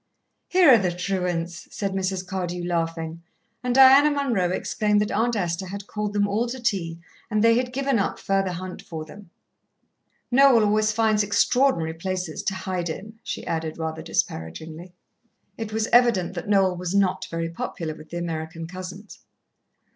"Here are the truants," said Mrs. Cardew, laughing, and Diana Munroe exclaimed that Aunt Esther had called them all to tea, and they had given up further hunt for them. "Noel always finds extraordinary places to hide in," she added rather disparagingly. It was evident that Noel was not very popular with the American cousins.